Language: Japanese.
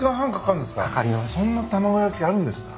そんな卵焼きあるんですか？